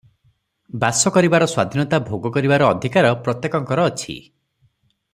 ବାସ କରିବାର ସ୍ୱାଧୀନତା ଭୋଗ କରିବାର ଅଧିକାର ପ୍ରତ୍ୟେକଙ୍କର ଅଛି ।